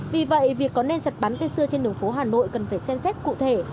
vì vậy việc có nên chặt bán cây xưa trên đường phố hà nội cần phải xem xét cụ thể